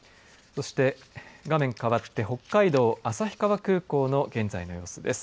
そして、画面変わって北海道旭川空港の現在の様子です。